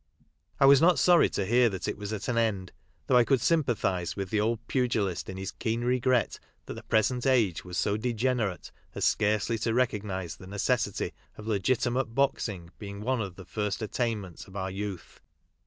I was not sorry to hear that it was at an end, though I could sympathise with the old pugilist in his keen regret that the present age was so degenerate as scarcely to recognise the necessity of legitimate boxing being one of the first attainments of our youth.